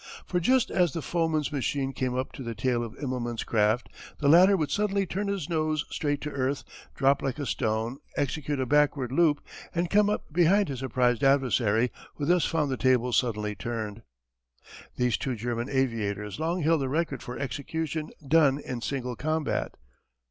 For just as the foeman's machine came up to the tail of Immelman's craft the latter would suddenly turn his nose straight to earth, drop like a stone, execute a backward loop, and come up behind his surprised adversary who thus found the tables suddenly turned. These two German aviators long held the record for execution done in single combat.